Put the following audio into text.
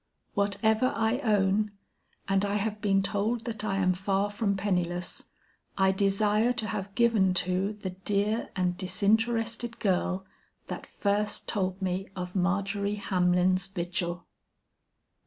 "Whatever I own, and I have been told that I am far from penniless, I desire to have given to the dear and disinterested girl that first told me of Margery Hamlin's vigil."